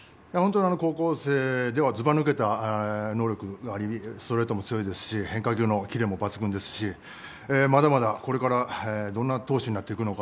高校生ではずば抜けた能力、ストレートも強いですし、変化球のキレも抜群ですし、まだまだこれから、どんな投手になっていくのか